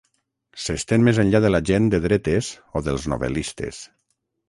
S'estén més enllà de la gent de dretes o dels novel·listes.